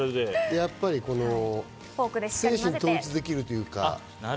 やっぱり精神統一できるというか。